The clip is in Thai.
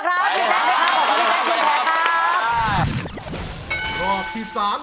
อยู่ในแซ็คครับขอบใจครับ